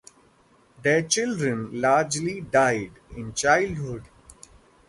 Their children largely died in childhood.